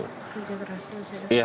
menjaga berhasil ya